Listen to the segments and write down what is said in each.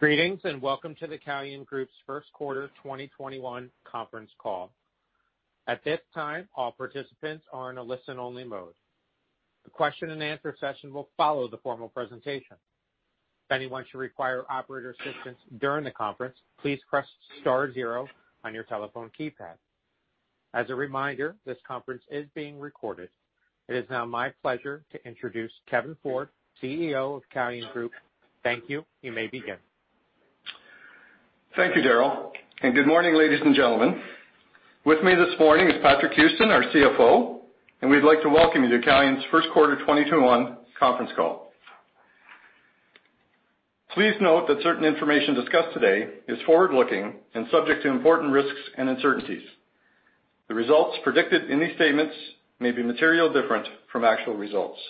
Greeting and welcome to Calian Group first quarter 2021 conference call. At this time participant are on a listen only mode. Question-and -answer session will follow formal presentation. Anyone should require operator assistant during the conference please press star zero on your telephone keypad. As a reminder this conference is being recorded. It is now my pleasure to introduce Kevin Ford, CEO of Calian Group. Thank you. You may begin. Thank you, Daryl. Good morning, ladies and gentlemen. With me this morning is Patrick Houston, our CFO, and we'd like to welcome you to Calian's first quarter 2021 conference call. Please note that certain information discussed today is forward-looking and subject to important risks and uncertainties. The results predicted in these statements may be materially different from actual results.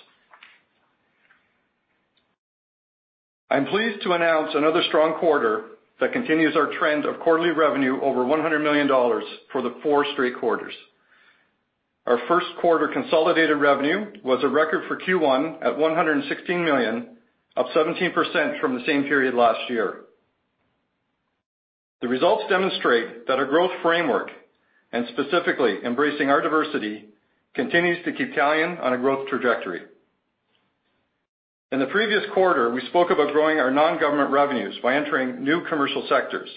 I'm pleased to announce another strong quarter that continues our trend of quarterly revenue over 100 million dollars for the four straight quarters. Our first quarter consolidated revenue was a record for Q1 at 116 million, up 17% from the same period last year. The results demonstrate that our growth framework, and specifically embracing our diversity, continues to keep Calian on a growth trajectory. In the previous quarter, we spoke about growing our non-government revenues by entering new commercial sectors.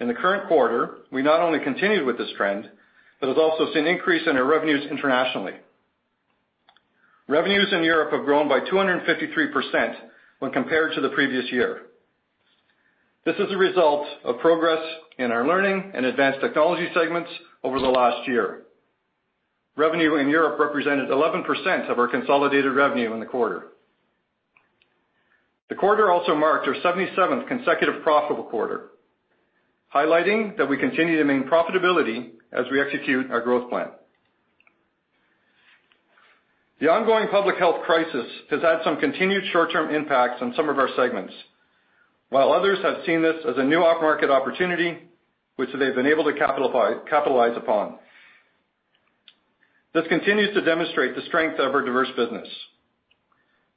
In the current quarter, we not only continued with this trend, but have also seen an increase in our revenues internationally. Revenues in Europe have grown by 253% when compared to the previous year. This is a result of progress in our learning and advanced technology segments over the last year. Revenue in Europe represented 11% of our consolidated revenue in the quarter. The quarter also marked our 77th consecutive profitable quarter, highlighting that we continue to remain profitable as we execute our growth plan. The ongoing public health crisis has had some continued short-term impacts on some of our segments, while others have seen this as a new off-market opportunity which they've been able to capitalize upon. This continues to demonstrate the strength of our diverse business.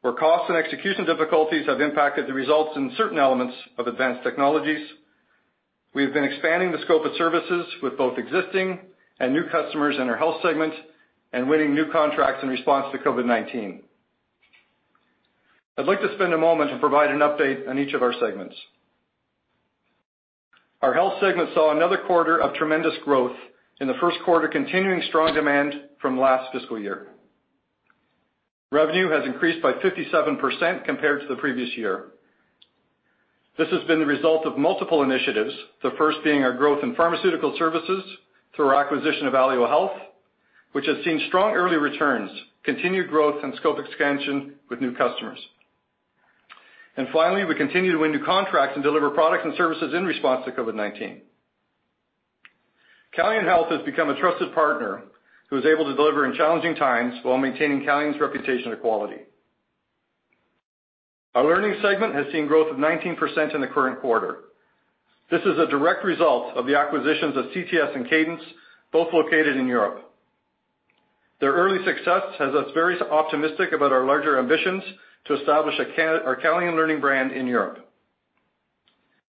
Where cost and execution difficulties have impacted the results in certain elements of Advanced Technologies, we have been expanding the scope of services with both existing and new customers in our Health segment and winning new contracts in response to COVID-19. I'd like to spend a moment to provide an update on each of our segments. Our Health segment saw another quarter of tremendous growth in the first quarter, continuing strong demand from last fiscal year. Revenue has increased by 57% compared to the previous year. This has been the result of multiple initiatives, the first being our growth in pharmaceutical services through our acquisition of Alio Health, which has seen strong early returns, continued growth and scope expansion with new customers. Finally, we continue to win new contracts and deliver products and services in response to COVID-19. Calian Health has become a trusted partner who is able to deliver in challenging times while maintaining Calian's reputation of quality. Our learning segment has seen growth of 19% in the current quarter. This is a direct result of the acquisitions of CTS and Cadence, both located in Europe. Their early success has us very optimistic about our larger ambitions to establish our Calian Learning brand in Europe.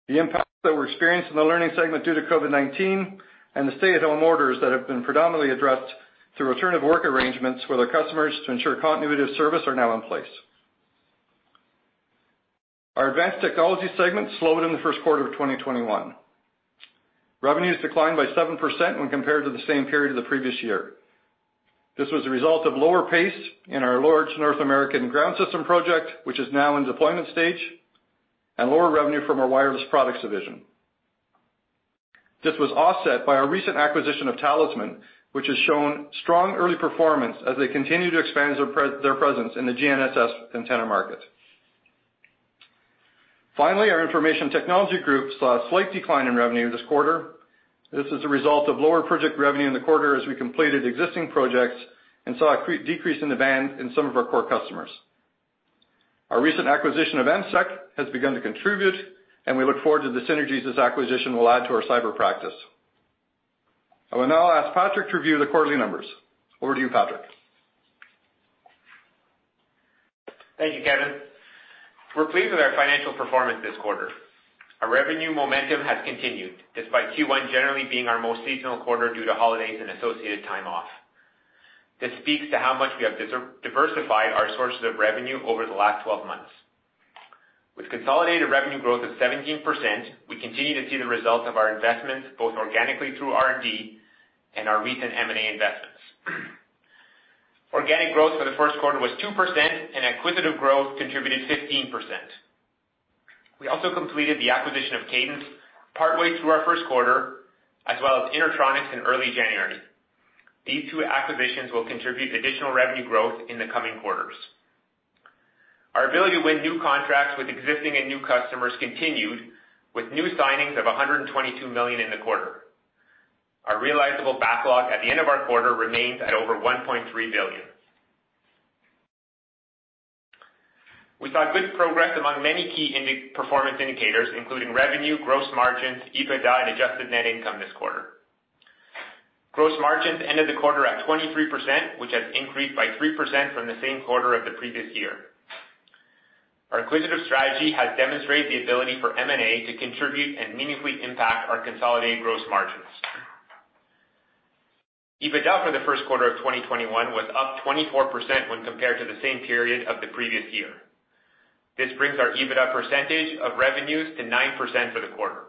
The impacts that were experienced in the learning segment due to COVID-19 and the stay-at-home orders that have been predominantly addressed through return of work arrangements with our customers to ensure continuity of service are now in place. Our Advanced Technologies segment slowed in the first quarter of 2021. Revenues declined by 7% when compared to the same period of the previous year. This was a result of lower pace in our large North American ground system project, which is now in deployment stage, and lower revenue from our wireless products division. This was offset by our recent acquisition of Tallysman, which has shown strong early performance as they continue to expand their presence in the GNSS antenna market. Finally, our information technology group saw a slight decline in revenue this quarter. This is a result of lower project revenue in the quarter as we completed existing projects and saw a decrease in demand in some of our core customers. Our recent acquisition of EMSEC has begun to contribute, and we look forward to the synergies this acquisition will add to our cyber practice. I will now ask Patrick to review the quarterly numbers. Over to you, Patrick. Thank you, Kevin. We're pleased with our financial performance this quarter. Our revenue momentum has continued, despite Q1 generally being our most seasonal quarter due to holidays and associated time off. This speaks to how much we have diversified our sources of revenue over the last 12 months. With consolidated revenue growth of 17%, we continue to see the results of our investments, both organically through R&D and our recent M&A investments. Organic growth for the first quarter was 2%, and acquisitive growth contributed 15%. We also completed the acquisition of Cadence partway through our first quarter, as well as InterTronic in early January. These two acquisitions will contribute additional revenue growth in the coming quarters. Our ability to win new contracts with existing and new customers continued with new signings of 122 million in the quarter. Our realizable backlog at the end of our quarter remains at over 1.3 billion. We saw good progress among many key performance indicators, including revenue, gross margins, EBITDA, and adjusted net income this quarter. Gross margins ended the quarter at 23%, which has increased by 3% from the same quarter of the previous year. Our acquisitive strategy has demonstrated the ability for M&A to contribute and meaningfully impact our consolidated gross margins. EBITDA for the first quarter of 2021 was up 24% when compared to the same period of the previous year. This brings our EBITDA percentage of revenues to 9% for the quarter.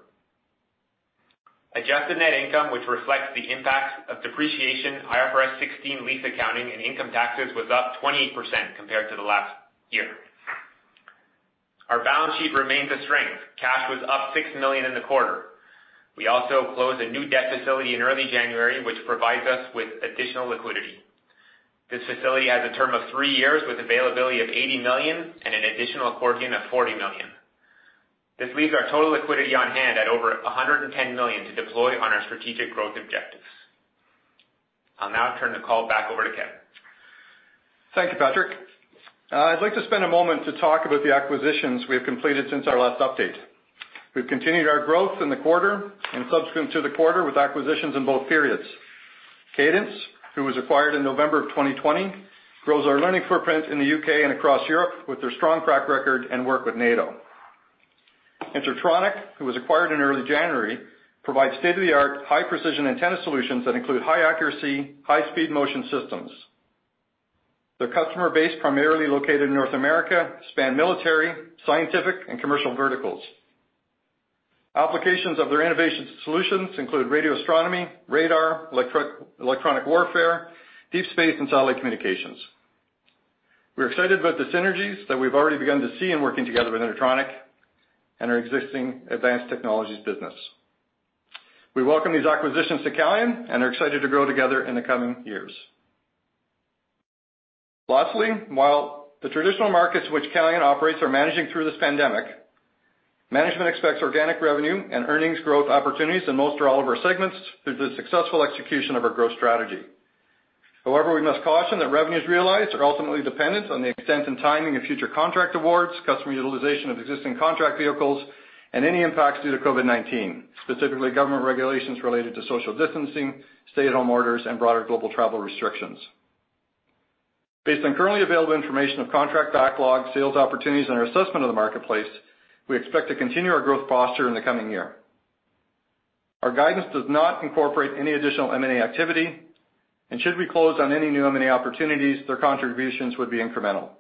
Adjusted net income, which reflects the impacts of depreciation, IFRS 16 lease accounting, and income taxes, was up 28% compared to the last year. Our balance sheet remains a strength. Cash was up 6 million in the quarter. We also closed a new debt facility in early January, which provides us with additional liquidity. This facility has a term of three years with availability of 80 million and an additional accordion of 40 million. This leaves our total liquidity on hand at over 110 million to deploy on our strategic growth objectives. I'll now turn the call back over to Kevin. Thank you, Patrick. I'd like to spend a moment to talk about the acquisitions we've completed since our last update. We've continued our growth in the quarter and subsequent to the quarter with acquisitions in both periods. Cadence, who was acquired in November of 2020, grows our learning footprint in the U.K. and across Europe with their strong track record and work with NATO. InterTronic, who was acquired in early January, provides state-of-the-art, high-precision antenna solutions that include high-accuracy, high-speed motion systems. Their customer base, primarily located in North America, span military, scientific, and commercial verticals. Applications of their innovation solutions include radio astronomy, radar, electronic warfare, deep space, and satellite communications. We're excited about the synergies that we've already begun to see in working together with InterTronic and our existing Advanced Technologies business. We welcome these acquisitions to Calian and are excited to grow together in the coming years. Lastly, while the traditional markets which Calian operates are managing through this pandemic, management expects organic revenue and earnings growth opportunities in most or all of our segments through the successful execution of our growth strategy. However, we must caution that revenues realized are ultimately dependent on the extent and timing of future contract awards, customer utilization of existing contract vehicles, and any impacts due to COVID-19, specifically government regulations related to social distancing, stay-at-home orders, and broader global travel restrictions. Based on currently available information of contract backlog, sales opportunities, and our assessment of the marketplace, we expect to continue our growth posture in the coming year. Our guidance does not incorporate any additional M&A activity, and should we close on any new M&A opportunities, their contributions would be incremental.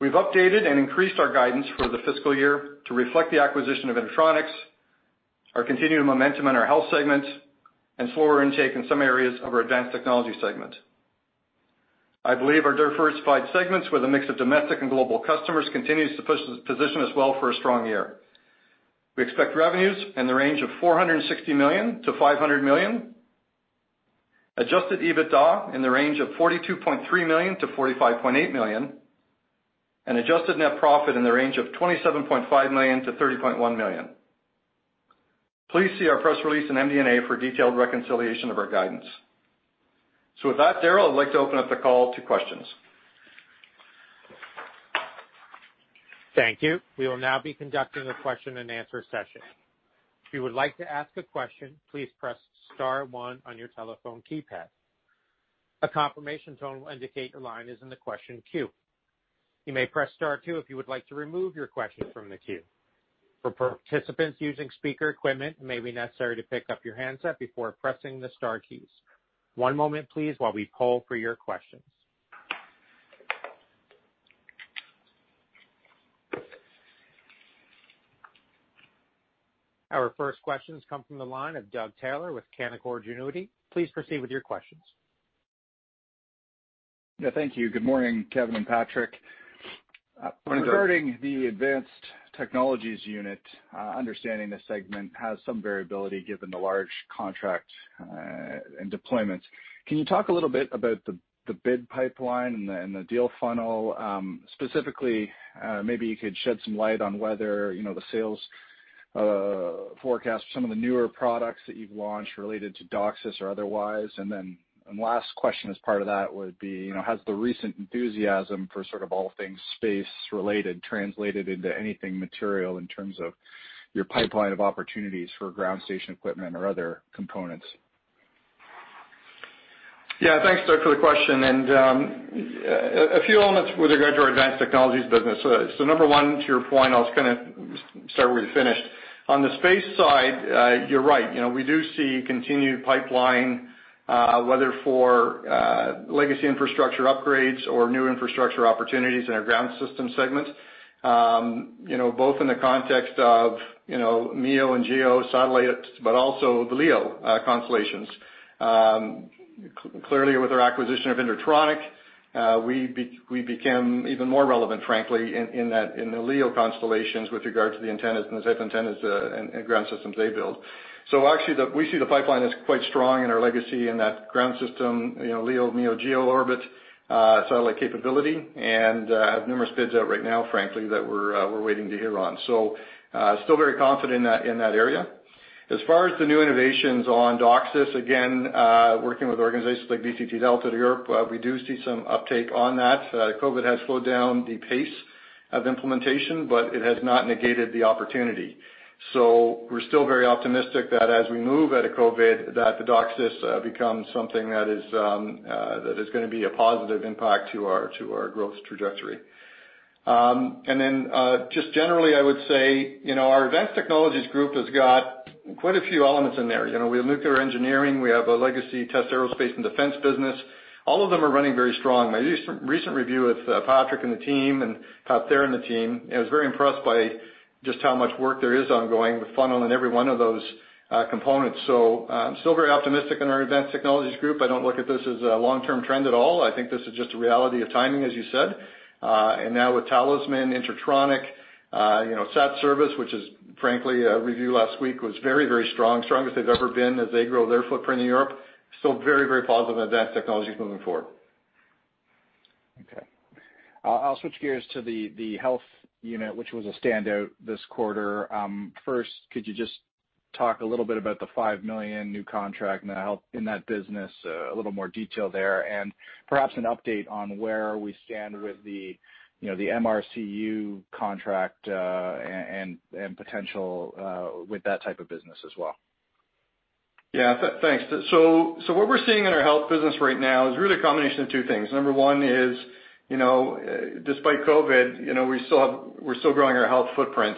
We've updated and increased our guidance for the fiscal year to reflect the acquisition of InterTronic, our continued momentum in our Health segment, and slower intake in some areas of our Advanced Technologies segment. I believe our diversified segments with a mix of domestic and global customers continues to position us well for a strong year. We expect revenues in the range of 460 million to 500 million, Adjusted EBITDA in the range of 42.3 million to 45.8 million, and adjusted net profit in the range of 27.5 million to 30.1 million. Please see our press release in MD&A for a detailed reconciliation of our guidance. With that, Darryl, I'd like to open up the call to questions. Thank we will now be conducting question-and-answer session. If you will like to asked a question please press star one on your telephone keypad. A confirmation tone indicate your line is question queue. You may press star two if you like to remove your question from queue. For participants using speaker equipment maybe be necessary to pick up your handset before pressing the star keys. One moment please while we call for your question. Our first questions come from the line of Doug Taylor with Canaccord Genuity. Please proceed with your questions. Yeah, thank you. Good morning, Kevin and Patrick. Good morning, Doug. Regarding the advanced technologies unit, understanding the segment has some variability given the large contract and deployments, can you talk a little bit about the bid pipeline and the deal funnel? Specifically, maybe you could shed some light on whether the sales forecast for some of the newer products that you've launched related to DOCSIS or otherwise. Last question as part of that would be, has the recent enthusiasm for sort of all things space-related translated into anything material in terms of your pipeline of opportunities for ground station equipment or other components? Yeah. Thanks, Doug, for the question. A few elements with regard to our advanced technologies business. Number one, to your point, I'll just start where you finished. On the space side, you're right. We do see continued pipeline, whether for legacy infrastructure upgrades or new infrastructure opportunities in our ground system segment, both in the context of MEO and GEO satellites, but also the LEO constellations. Clearly, with our acquisition of InterTronic, we became even more relevant, frankly, in the LEO constellations with regard to the antennas and the type of antennas and ground systems they build. Actually, we see the pipeline as quite strong in our legacy in that ground system, LEO, MEO, GEO orbit satellite capability and have numerous bids out right now, frankly, that we're waiting to hear on. Still very confident in that area. As far as the new innovations on DOCSIS, again, working with organizations like VTT Delta de Europe, we do see some uptake on that. COVID has slowed down the pace of implementation, but it has not negated the opportunity. We're still very optimistic that as we move out of COVID, that the DOCSIS becomes something that is going to be a positive impact to our growth trajectory. Just generally, I would say, our Advanced Technologies group has got quite a few elements in there. We have nuclear engineering. We have a legacy test aerospace and defense business. All of them are running very strong. My recent review with Patrick and the team, and Patrick Thera and the team, I was very impressed by just how much work there is ongoing, the funnel in every one of those components. I'm still very optimistic in our Advanced Technologies group. I don't look at this as a long-term trend at all. I think this is just a reality of timing, as you said. Now with Tallysman, InterTronic, SatService, which is, frankly, a review last week was very strong. Strongest they've ever been as they grow their footprint in Europe. Still very positive about Advanced Technologies moving forward. Okay. I'll switch gears to the health unit, which was a standout this quarter. First, could you just talk a little bit about the 5 million new contract in that business, a little more detail there, and perhaps an update on where we stand with the MRCU contract, and potential with that type of business as well? Yeah, thanks. What we're seeing in our health business right now is really a combination of two things. Number one is, despite COVID-19, we're still growing our health footprint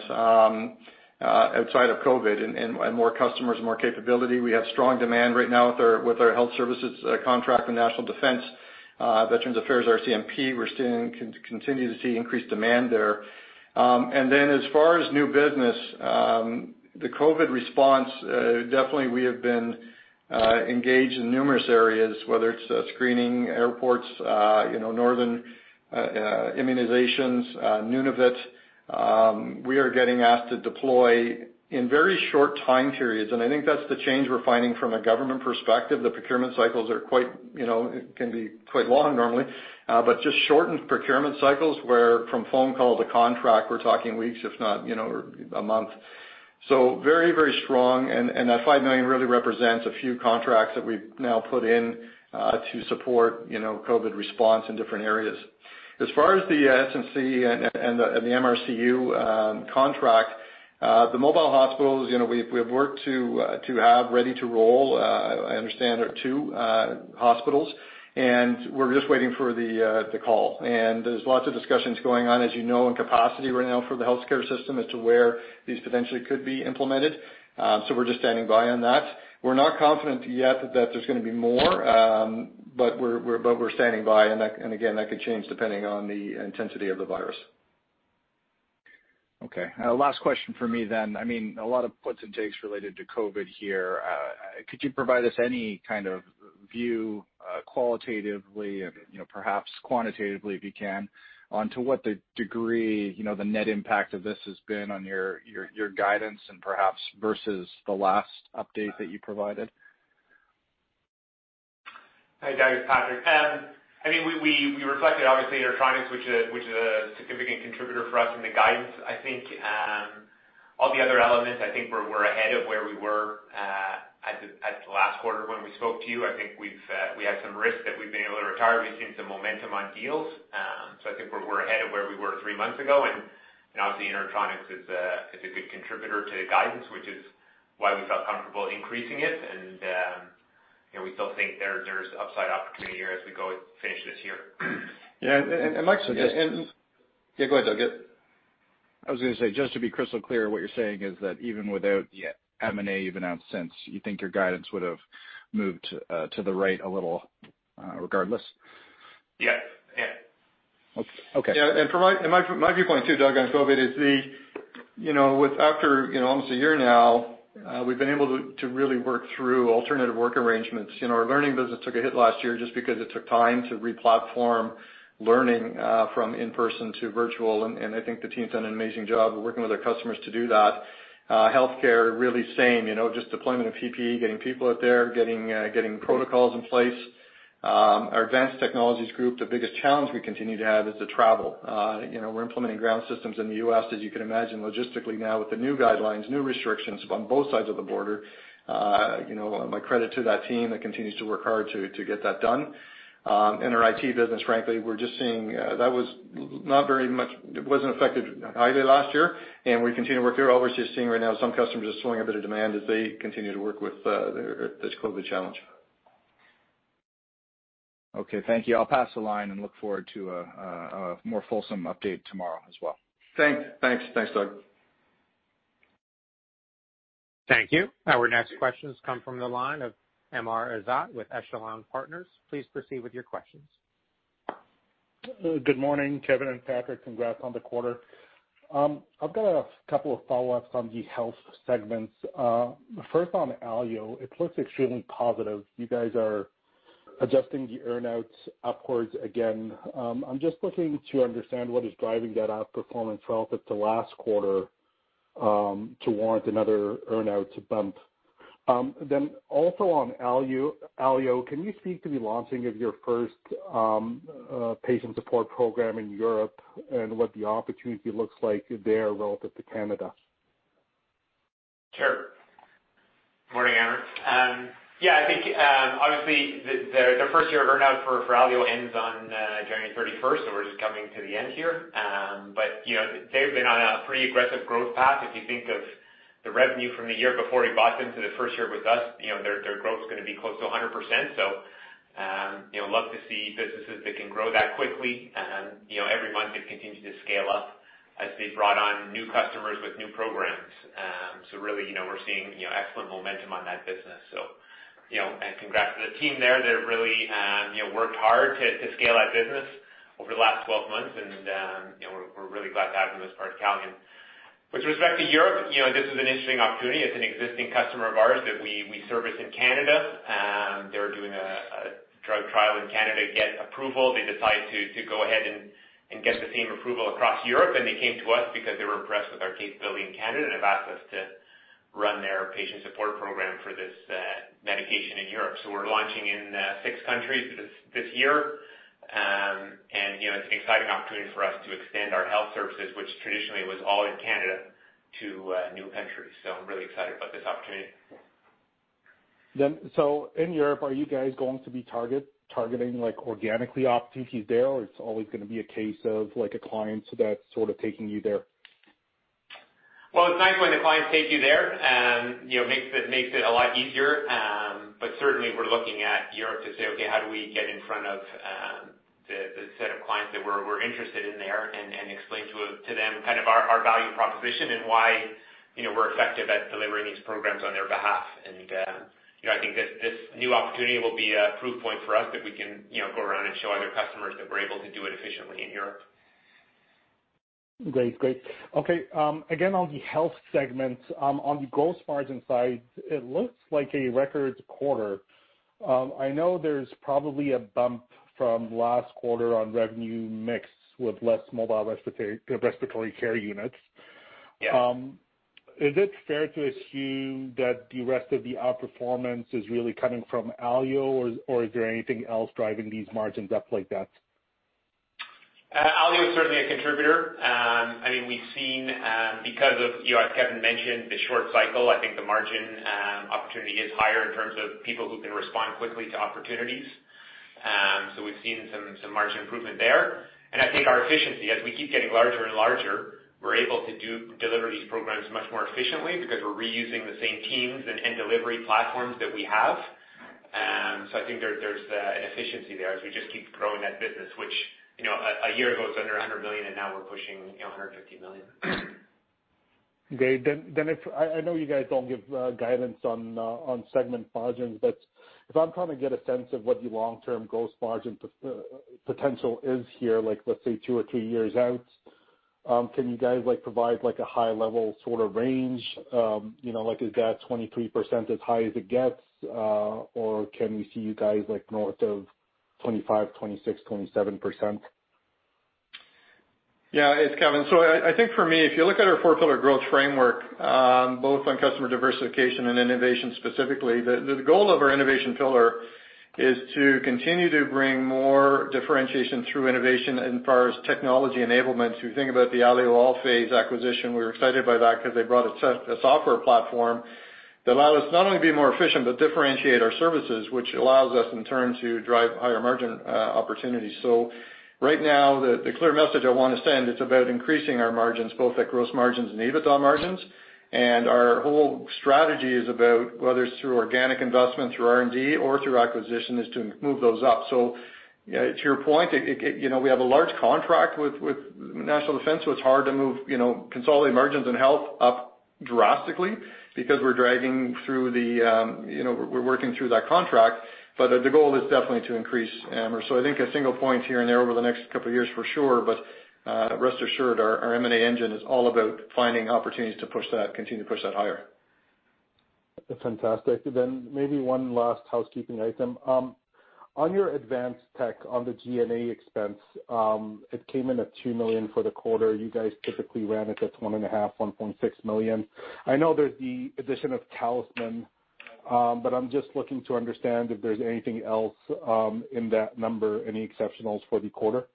outside of COVID-19 and more customers and more capability. We have strong demand right now with our health services contract with National Defence, Veterans Affairs, RCMP. We're still continuing to see increased demand there. As far as new business, the COVID-19 response, definitely we have been engaged in numerous areas, whether it's screening airports, northern immunizations, Nunavut. We are getting asked to deploy in very short time periods, and I think that's the change we're finding from a government perspective. The procurement cycles can be quite long normally, but just shortened procurement cycles where from phone call to contract, we're talking weeks, if not a month. Very strong, and that 5 million really represents a few contracts that we've now put in to support COVID-19 response in different areas. As far as the SNC and the MRCU contract, the mobile hospitals, we have worked to have ready to roll. I understand there are two hospitals, and we're just waiting for the call. There's lots of discussions going on, as you know, in capacity right now for the healthcare system as to where these potentially could be implemented. We're just standing by on that. We're not confident yet that there's going to be more, but we're standing by, and again, that could change depending on the intensity of the virus. Okay. Last question from me then. A lot of puts and takes related to COVID here. Could you provide us any kind of view, qualitatively and perhaps quantitatively, if you can, on to what the degree, the net impact of this has been on your guidance and perhaps versus the last update that you provided? Hi, Doug, it's Patrick. We reflected, obviously, InterTronic, which is a significant contributor for us in the guidance. All the other elements, I think we're ahead of where we were at the last quarter when we spoke to you. I think we had some risks that we've been able to retire. We've seen some momentum on deals. I think we're ahead of where we were three months ago, and obviously InterTronic is a good contributor to the guidance, which is why we felt comfortable increasing it. We still think there's upside opportunity here as we go finish this year. Yeah. Yeah, go ahead, Doug. I was going to say, just to be crystal clear, what you're saying is that even without the M&A you've announced since, you think your guidance would've moved to the right a little regardless? Yeah. Okay. Yeah, and from my viewpoint, too, Doug, on COVID is after almost a year now, we've been able to really work through alternative work arrangements. Our learning business took a hit last year just because it took time to re-platform learning from in-person to virtual, and I think the team's done an amazing job of working with our customers to do that. Healthcare, really same. Just deployment of PPE, getting people out there, getting protocols in place. Our Advanced Technologies group, the biggest challenge we continue to have is the travel. We're implementing ground systems in the U.S. As you can imagine, logistically now with the new guidelines, new restrictions on both sides of the border. My credit to that team that continues to work hard to get that done. In our IT business, frankly, we're just seeing that wasn't affected highly last year, and we continue to work there. We're obviously just seeing right now some customers are slowing a bit of demand as they continue to work with this COVID-19 challenge. Okay, thank you. I'll pass the line and look forward to a more fulsome update tomorrow as well. Thanks, Doug. Thank you. Our next questions come from the line of Amr Ezzat with Echelon Capital Markets. Please proceed with your questions. Good morning, Kevin and Patrick. Congrats on the quarter. I've got a couple of follow-ups on the health segments. First on Alio, it looks extremely positive. You guys are adjusting the earn-outs upwards again. I'm just looking to understand what is driving that outperformance relative to last quarter to warrant another earn-outs bump. Also on Alio, can you speak to the launching of your first patient support program in Europe and what the opportunity looks like there relative to Canada? Sure. Morning, Amr. The first year of earn-out for Alio ends on January 31st, we're just coming to the end here. They've been on a pretty aggressive growth path. If you think of the revenue from the year before we bought them to the first year with us, their growth's going to be close to 100%. Love to see businesses that can grow that quickly and every month they've continued to scale up as they've brought on new customers with new programs. Really, we're seeing excellent momentum on that business. Congrats to the team there. They've really worked hard to scale that business over the last 12 months and we're really glad to have them as part of Calian. With respect to Europe, this is an interesting opportunity. It's an existing customer of ours that we service in Canada. They were doing a drug trial in Canada to get approval. They decided to go ahead and get the same approval across Europe, and they came to us because they were impressed with our capability in Canada and have asked us to run their Patient Support Program for this medication in Europe. We're launching in six countries this year. It's an exciting opportunity for us to extend our Health services, which traditionally was all in Canada, to new countries. I'm really excited about this opportunity. In Europe, are you guys going to be targeting organically opportunities there, or it's always going to be a case of a client that's sort of taking you there? It's nice when the clients take you there. Makes it a lot easier. Certainly we're looking at Europe to say, okay, how do we get in front of the set of clients that we're interested in there and explain to them our value proposition and why we're effective at delivering these programs on their behalf. I think this new opportunity will be a proof point for us that we can go around and show other customers that we're able to do it efficiently in Europe. Great. Okay. On the health segment, on the gross margin side, it looks like a record quarter. I know there's probably a bump from last quarter on revenue mix with less Mobile Respiratory Care Units. Yeah. Is it fair to assume that the rest of the outperformance is really coming from Alio or is there anything else driving these margins up like that? Alio is certainly a contributor. We've seen, because of, as Kevin mentioned, the short cycle, I think the margin opportunity is higher in terms of people who can respond quickly to opportunities. We've seen some margin improvement there. I think our efficiency, as we keep getting larger and larger, we're able to deliver these programs much more efficiently because we're reusing the same teams and delivery platforms that we have. I think there's an efficiency there as we just keep growing that business, which a year ago it was under 100 million, and now we're pushing 150 million. Great. If, I know you guys don't give guidance on segment margins, but if I'm trying to get a sense of what the long-term gross margin potential is here, let's say two or three years out, can you guys provide a high-level sort of range? Is that 23% as high as it gets? Can we see you guys north of 25%, 26%, 27%? Yeah, it's Kevin. I think for me, if you look at our four-pillar growth framework, both on customer diversification and innovation specifically, the goal of our innovation pillar is to continue to bring more differentiation through innovation and far as technology enablement. If you think about the Alio Allphase acquisition, we were excited by that because they brought a software platform that allowed us not only to be more efficient, but differentiate our services, which allows us in turn to drive higher margin opportunities. Right now, the clear message I want to send, it's about increasing our margins, both at gross margins and EBITDA margins. Our whole strategy is about, whether it's through organic investment, through R&D or through acquisition, is to move those up. To your point, we have a large contract with National Defence, so it's hard to move consolidated margins and health up drastically because we're working through that contract. The goal is definitely to increase, Amr. I think a single point here and there over the next couple of years for sure, but rest assured, our M&A engine is all about finding opportunities to continue to push that higher. That's fantastic. Maybe one last housekeeping item. On your Advanced Technologies, on the G&A expense, it came in at 2 million for the quarter. You guys typically ran it at 1.5 million, 1.6 million. I know there's the addition of Tallysman, but I'm just looking to understand if there's anything else in that number, any exceptionals for the quarter.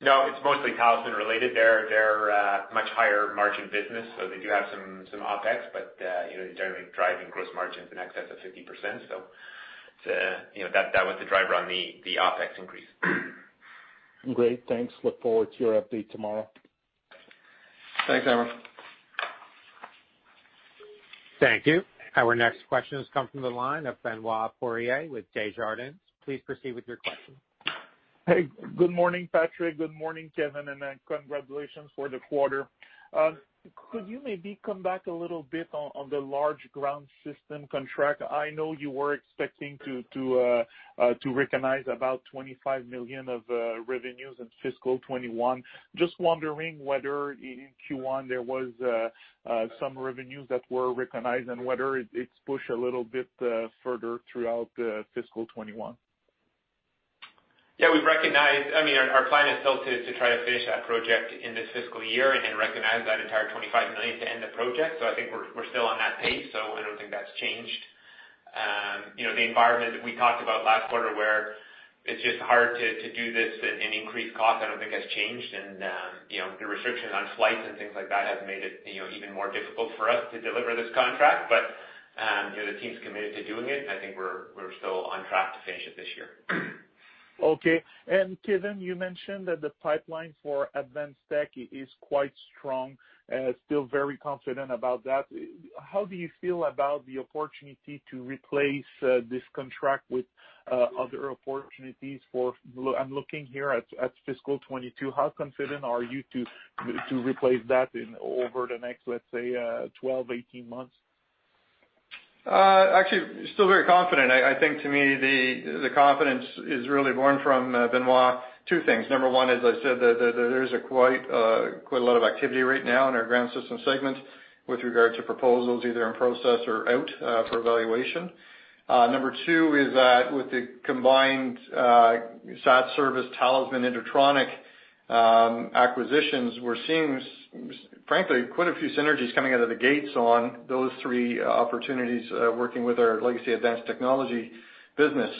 No, it's mostly Tallysman related. They're a much higher margin business, so they do have some OpEx, but they're generally driving gross margins in excess of 50%. That was the driver on the OpEx increase. Great. Thanks. Look forward to your update tomorrow. Thanks, Amr. Thank you. Our next question has come from the line of Benoit Poirier with Desjardins. Please proceed with your question. Hey. Good morning, Patrick. Good morning, Kevin, and congratulations for the quarter. Could you maybe come back a little bit on the large ground system contract? I know you were expecting to recognize about 25 million of revenues in fiscal 2021. Just wondering whether in Q1 there was some revenues that were recognized and whether it's pushed a little bit further throughout fiscal 2021. Our plan is still to try to finish that project in this fiscal year and then recognize that entire 25 million to end the project. I think we're still on that pace, so I don't think that's changed. The environment that we talked about last quarter where it's just hard to do this and increase cost, I don't think has changed. The restrictions on flights and things like that have made it even more difficult for us to deliver this contract. The team's committed to doing it. I think we're still on track to finish it this year. Okay. Kevin, you mentioned that the pipeline for Advanced Technologies is quite strong. Still very confident about that. How do you feel about the opportunity to replace this contract with other opportunities for, I’m looking here at fiscal 2022, how confident are you to replace that over the next, let’s say, 12, 18 months? Actually, still very confident. I think to me, the confidence is really born from, Benoit, two things. Number one, as I said, there is quite a lot of activity right now in our ground system segment with regard to proposals, either in process or out for evaluation. Number two is that with the combined SatService, Tallysman, InterTronic acquisitions, we're seeing, frankly, quite a few synergies coming out of the gates on those three opportunities, working with our legacy advanced technology business.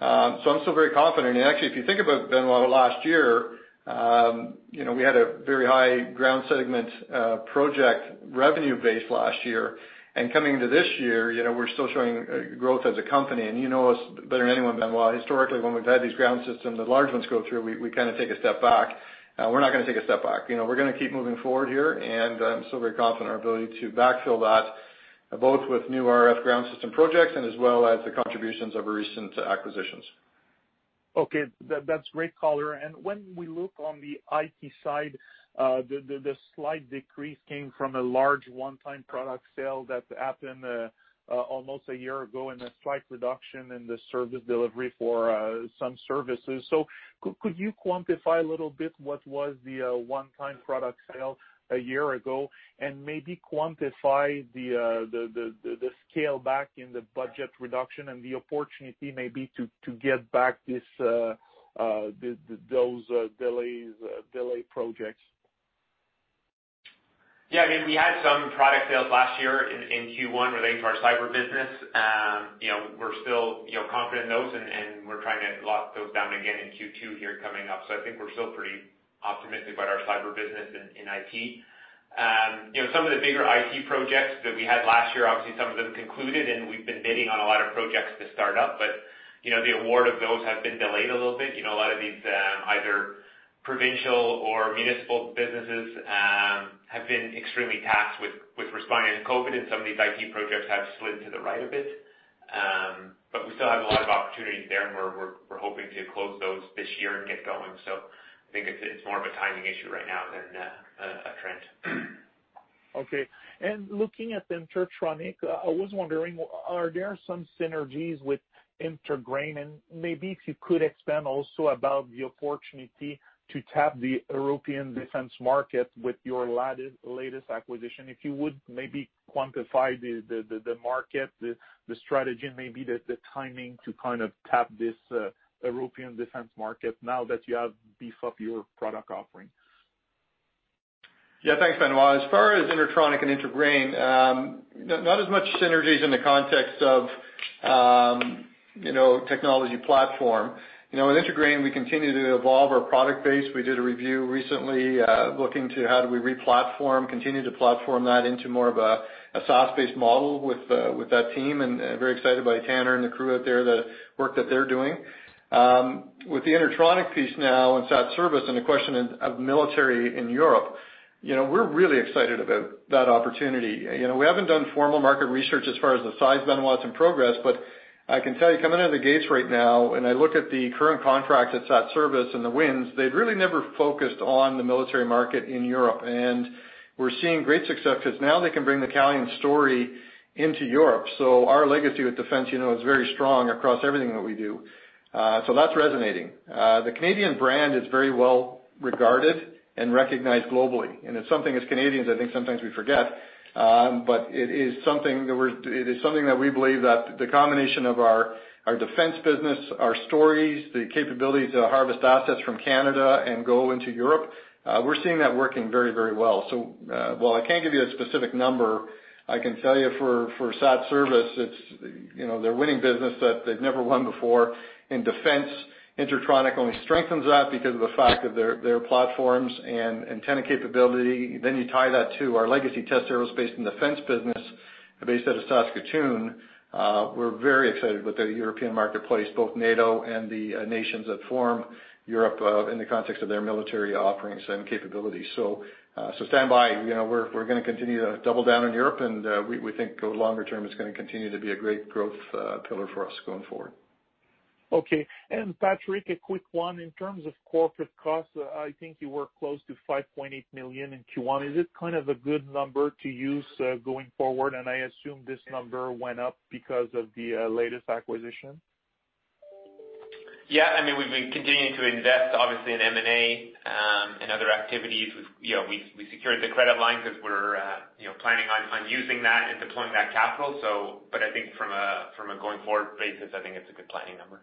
I'm still very confident. Actually, if you think about it, Benoit, last year, we had a very high ground segment project revenue base last year. Coming to this year, we're still showing growth as a company, and you know us better than anyone, Benoit, historically, when we've had these ground systems, the large ones go through, we take a step back. We're not going to take a step back. We're going to keep moving forward here, and I'm still very confident in our ability to backfill that both with new RF ground system projects and as well as the contributions of our recent acquisitions. Okay. That's great color. When we look on the IT side, the slight decrease came from a large one-time product sale that happened almost a year ago, and a slight reduction in the service delivery for some services. Could you quantify a little bit what was the one-time product sale a year ago? Maybe quantify the scale back in the budget reduction and the opportunity maybe to get back those delayed projects? Yeah. We had some product sales last year in Q1 relating to our cyber business. We're still confident in those, and we're trying to lock those down again in Q2 here coming up. I think we're still pretty optimistic about our cyber business in IT. Some of the bigger IT projects that we had last year, obviously some of them concluded, and we've been bidding on a lot of projects to start up. The award of those have been delayed a little bit. A lot of these, either provincial or municipal businesses, have been extremely tasked with responding to COVID-19 and some of these IT projects have slid to the right a bit. We still have a lot of opportunities there, and we're hoping to close those this year and get going. I think it's more of a timing issue right now than a trend. Okay. Looking at InterTronic, I was wondering, are there some synergies with IntraGrain? Maybe if you could expand also about the opportunity to tap the European defense market with your latest acquisition, if you would maybe quantify the market, the strategy, and maybe the timing to tap this European defense market now that you have beefed up your product offering. Yeah. Thanks, Benoit. As far as InterTronic and IntraGrain, not as much synergies in the context of technology platform. In IntraGrain, we continue to evolve our product base. We did a review recently, looking to how do we re-platform, continue to platform that into more of a SaaS-based model with that team, and very excited by Tanner and the crew out there, the work that they're doing. With the InterTronic piece now and SatService and the question of military in Europe, we're really excited about that opportunity. We haven't done formal market research as far as the size, Benoit, that's in progress. I can tell you, coming out of the gates right now, I look at the current contract at SatService and the wins, they'd really never focused on the military market in Europe. We're seeing great success because now they can bring the Calian story into Europe. Our legacy with defense is very strong across everything that we do. That's resonating. The Canadian brand is very well regarded and recognized globally, and it's something as Canadians, I think sometimes we forget. It is something that we believe that the combination of our defense business, our stories, the capabilities to harvest assets from Canada and go into Europe, we're seeing that working very well. While I can't give you a specific number, I can tell you for SatService, they're winning business that they've never won before in defense. InterTronic only strengthens that because of the fact of their platforms and antenna capability. You tie that to our legacy test aerospace and defense business based out of Saskatoon. We're very excited with the European marketplace, both NATO and the nations that form Europe in the context of their military offerings and capabilities. Stand by. We're going to continue to double down on Europe, and we think longer term, it's going to continue to be a great growth pillar for us going forward. Okay. Patrick, a quick one. In terms of corporate costs, I think you were close to 5.8 million in Q1. Is it a good number to use going forward? I assume this number went up because of the latest acquisition. Yeah. We've been continuing to invest, obviously, in M&A and other activities. We secured the credit line because we're planning on using that and deploying that capital. I think from a going forward basis, I think it's a good planning number.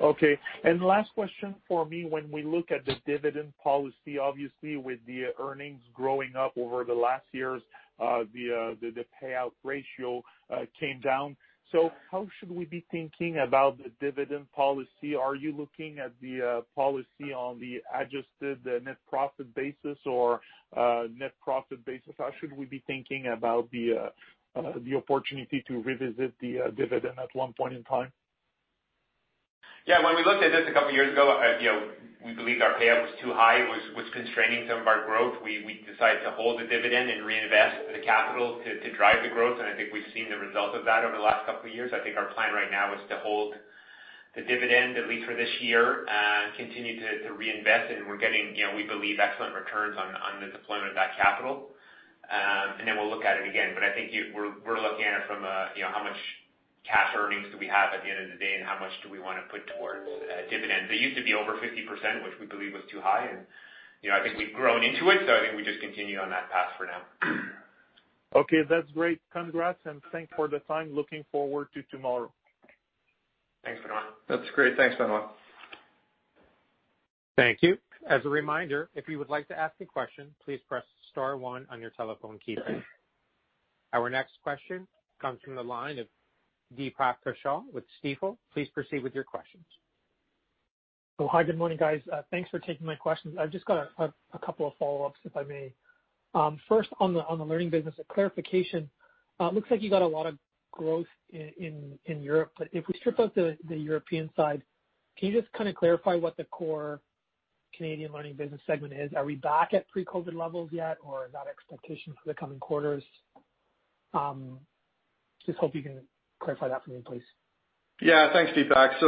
Okay. Last question for me. When we look at the dividend policy, obviously with the earnings growing up over the last years, the payout ratio came down. How should we be thinking about the dividend policy? Are you looking at the policy on the adjusted net profit basis or net profit basis? How should we be thinking about the opportunity to revisit the dividend at one point in time? Yeah. When we looked at this a couple of years ago, we believed our payout was too high, it was constraining some of our growth. We decided to hold the dividend and reinvest the capital to drive the growth, and I think we've seen the result of that over the last couple of years. I think our plan right now is to hold the dividend, at least for this year, and continue to reinvest, and we're getting, we believe, excellent returns on the deployment of that capital. Then we'll look at it again. I think we're looking at it from a how much cash earnings do we have at the end of the day, and how much do we want to put towards dividends. It used to be over 50%, which we believe was too high, and I think we've grown into it, so I think we just continue on that path for now. Okay. That's great. Congrats and thanks for the time. Looking forward to tomorrow. Thanks, Benoit. That's great. Thanks, Benoit. Thank you. As a reminder, if you would like to ask a question, please press star one on your telephone keypad. Our next question comes from the line of Deepak Kaushal with Stifel. Please proceed with your questions. Hi, good morning, guys. Thanks for taking my questions. I've just got a couple of follow-ups, if I may. First, on the learning business, a clarification. It looks like you got a lot of growth in Europe. If we strip out the European side, can you just clarify what the core Canadian learning business segment is? Are we back at pre-COVID-19 levels yet, or is that expectation for the coming quarters? Just hope you can clarify that for me, please. Thanks, Deepak.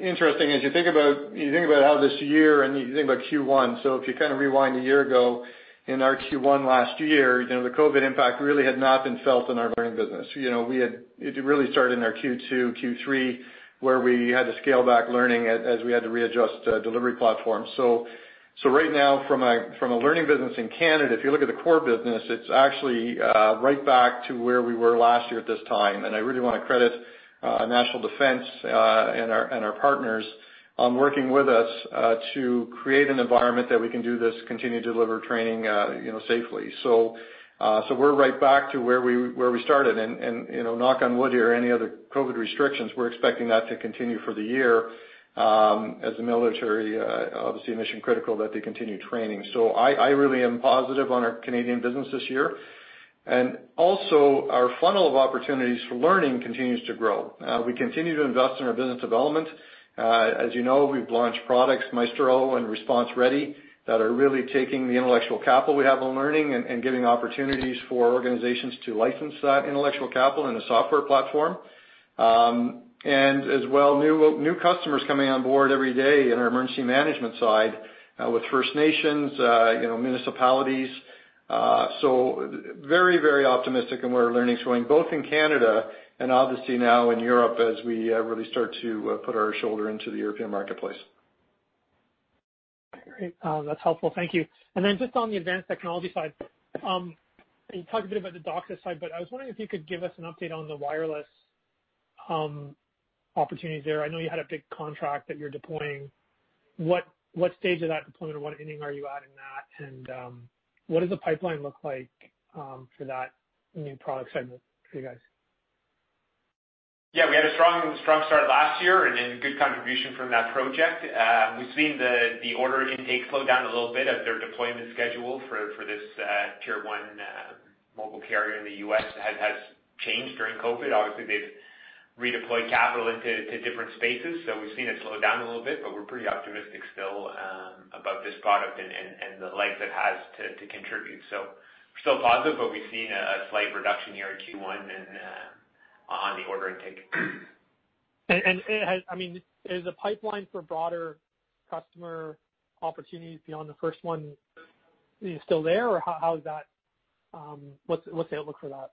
Interesting, as you think about how this year and you think about Q1, so if you kind of rewind a year ago in our Q1 last year, the COVID impact really had not been felt in our learning business. It really started in our Q2, Q3, where we had to scale back learning as we had to readjust delivery platforms. Right now, from a learning business in Canada, if you look at the core business, it's actually right back to where we were last year at this time, and I really want to credit National Defence and our partners on working with us to create an environment that we can do this, continue to deliver training safely. We're right back to where we started and, knock on wood here, any other COVID-19 restrictions, we're expecting that to continue for the year, as the military, obviously mission-critical that they continue training. I really am positive on our Canadian business this year. Also our funnel of opportunities for learning continues to grow. We continue to invest in our business development. As you know, we've launched products, MaestroEDE and Response Ready, that are really taking the intellectual capital we have on learning and giving opportunities for organizations to license that intellectual capital in a software platform. As well, new customers coming on board every day in our emergency management side with First Nations, municipalities. Very, very optimistic in where our learning is going, both in Canada and obviously now in Europe as we really start to put our shoulder into the European marketplace. Great. That's helpful. Thank you. Just on the advanced technology side, you talked a bit about the DOCSIS side, but I was wondering if you could give us an update on the wireless opportunities there. I know you had a big contract that you're deploying. What stage of that deployment or what inning are you at in that, and what does the pipeline look like for that new product segment for you guys? Yeah, we had a strong start last year and good contribution from that project. We've seen the order intake slow down a little bit as their deployment schedule for this Tier 1 mobile carrier in the U.S. has changed during COVID. We've redeployed capital into different spaces, but we're pretty optimistic still about this product and the legs it has to contribute. We're still positive, but we've seen a slight reduction here in Q1 on the order intake. Is the pipeline for broader customer opportunities beyond the first one still there, or what's the outlook for that?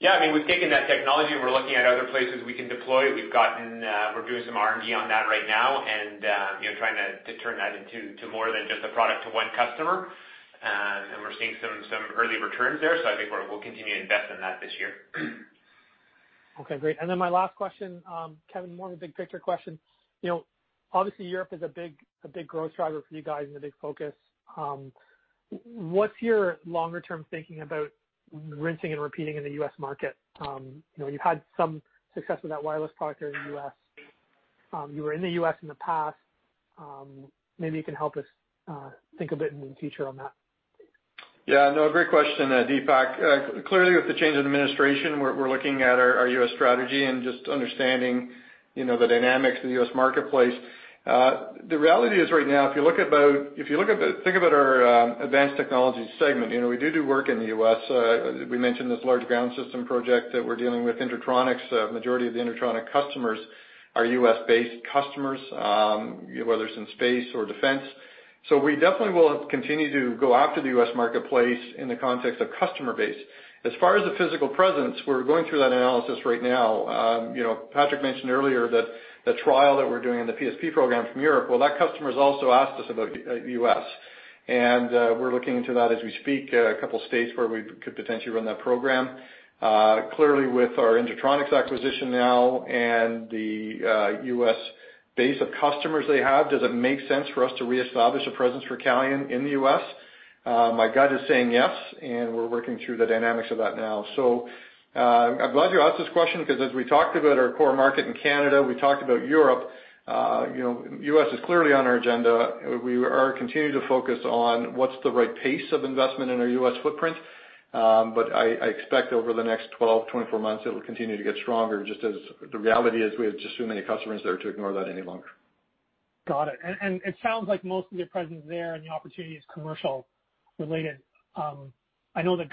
Yeah, we've taken that technology and we're looking at other places we can deploy it. We're doing some R&D on that right now and trying to turn that into more than just a product to one customer. We're seeing some early returns there, I think we'll continue to invest in that this year. Okay, great. My last question, Kevin, more of a big picture question. Obviously Europe is a big growth driver for you guys and a big focus. What's your longer term thinking about rinsing and repeating in the U.S. market? You've had some success with that wireless product there in the U.S. You were in the U.S. in the past. Maybe you can help us think a bit in the future on that. Yeah, no, great question, Deepak. Clearly with the change in administration, we're looking at our U.S. strategy and just understanding the dynamics of the U.S. marketplace. The reality is right now, if you think about our advanced technologies segment, we do work in the U.S. We mentioned this large ground system project that we're dealing with InterTronic. Majority of the InterTronic customers are U.S.-based customers, whether it's in space or defense. We definitely will continue to go after the U.S. marketplace in the context of customer base. As far as the physical presence, we're going through that analysis right now. Patrick mentioned earlier that the trial that we're doing in the PSP program from Europe, well, that customer's also asked us about U.S. We're looking into that as we speak, a couple of states where we could potentially run that program. Clearly, with our InterTronic acquisition now and the U.S. base of customers they have, does it make sense for us to reestablish a presence for Calian in the U.S.? My gut is saying yes, and we're working through the dynamics of that now. I'm glad you asked this question because as we talked about our core market in Canada, we talked about Europe, U.S. is clearly on our agenda. We are continuing to focus on what's the right pace of investment in our U.S. footprint. I expect over the next 12, 24 months, it will continue to get stronger, just as the reality is we have just too many customers there to ignore that any longer. Got it. It sounds like most of your presence there and the opportunity is commercial related. I know the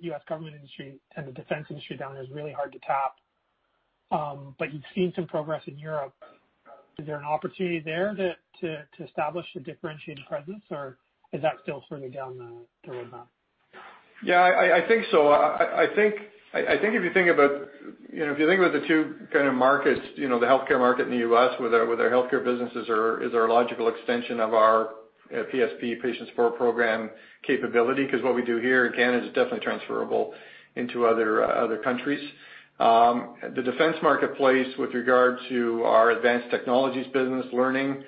U.S. government industry and the defense industry down there is really hard to tap. You've seen some progress in Europe. Is there an opportunity there to establish a differentiated presence, or is that still further down the road map? Yeah, I think so. I think if you think about the two kind of markets, the healthcare market in the U.S. With our healthcare businesses is our logical extension of our PSP Patient Support Program capability, because what we do here in Canada is definitely transferable into other countries. The defense marketplace with regard to our advanced technologies business, learning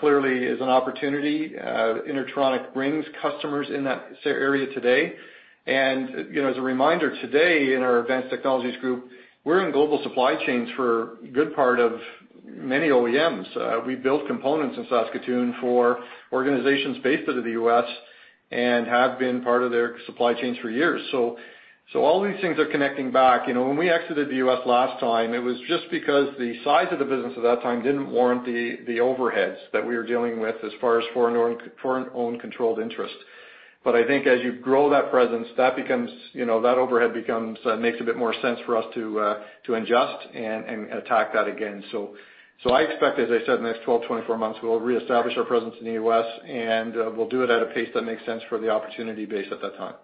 clearly is an opportunity. InterTronic brings customers in that area today. As a reminder today, in our advanced technologies group, we're in global supply chains for a good part of many OEMs. We build components in Saskatoon for organizations based out of the U.S. and have been part of their supply chains for years. All these things are connecting back. When we exited the U.S. last time, it was just because the size of the business at that time didn't warrant the overheads that we were dealing with as far as foreign owned controlled interest. I think as you grow that presence, that overhead makes a bit more sense for us to adjust and attack that again. I expect, as I said, in the next 12, 24 months, we'll reestablish our presence in the U.S. and we'll do it at a pace that makes sense for the opportunity base at that time.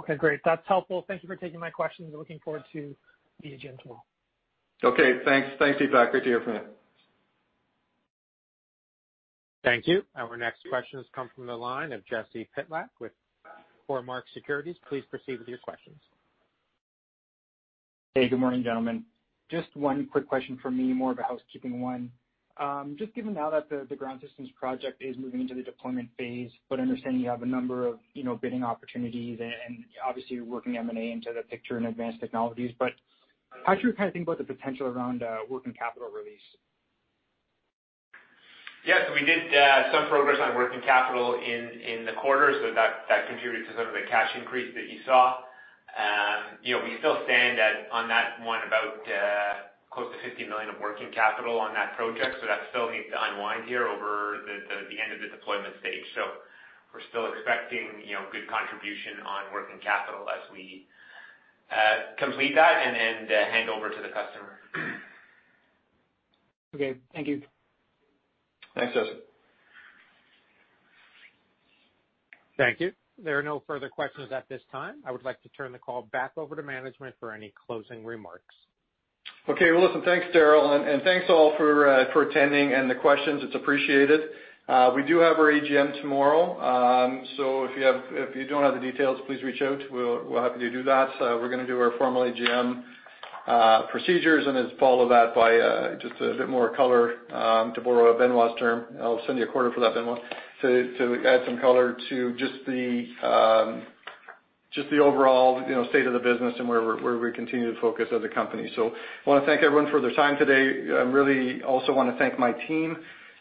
Okay, great. That's helpful. Thank you for taking my questions. Looking forward to the AGM tomorrow. Okay, thanks. Thanks, Deepak. Great to hear from you. Thank you. Our next question has come from the line of Jesse Pytlak with Cormark Securities. Please proceed with your questions. Hey, good morning, gentlemen. Just one quick question from me, more of a housekeeping one. Just given now that the Ground Systems project is moving into the deployment phase, but understanding you have a number of bidding opportunities and obviously you're working M&A into the picture and Advanced Technologies, but how should we think about the potential around working capital release? Yes, we did some progress on working capital in the quarter, so that contributed to some of the cash increase that you saw. We still stand on that one about close to 50 million of working capital on that project, so that still needs to unwind here over the end of the deployment stage. We're still expecting good contribution on working capital as we complete that and then hand over to the customer. Okay. Thank you. Thanks, Jesse. Thank you. There are no further questions at this time. I would like to turn the call back over to management for any closing remarks. Okay. Well, listen, thanks Daryl, and thanks all for attending and the questions. It is appreciated. We do have our AGM tomorrow, so if you don't have the details, please reach out. We will help you do that. We are going to do our formal AGM procedures, and then follow that by just a bit more color, to borrow Benoit's term, I will send you a quarter for that, Benoit, to add some color to just the overall state of the business and where we continue to focus as a company. I want to thank everyone for their time today. I really also want to thank my team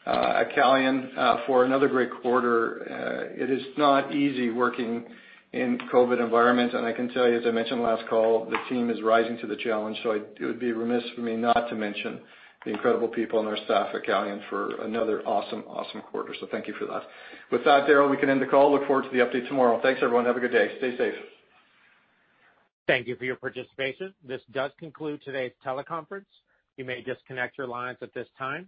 at Calian for another great quarter. It is not easy working in COVID environment. I can tell you, as I mentioned last call, the team is rising to the challenge. It would be remiss for me not to mention the incredible people and our staff at Calian for another awesome quarter. Thank you for that. With that, Daryl, we can end the call. Look forward to the update tomorrow. Thanks, everyone. Have a good day. Stay safe. Thank you for your participation. This does conclude today's teleconference. You may disconnect your lines at this time.